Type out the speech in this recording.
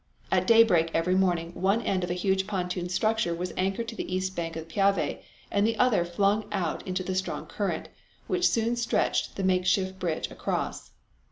At daybreak every morning one end of a huge pontoon structure was anchored to the east bank of the Piave and the other flung out to the strong current, which soon stretched the makeshift bridge across.